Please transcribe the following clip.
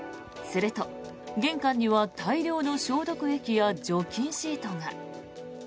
すると、玄関には大量の消毒液や除菌シートが。